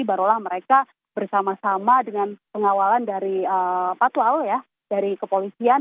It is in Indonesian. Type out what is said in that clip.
barulah mereka bersama sama dengan pengawalan dari patwal ya dari kepolisian